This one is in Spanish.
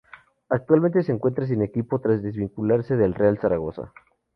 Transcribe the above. Actualmente se encuentra sin equipo tras desvincularse del Real Zaragoza.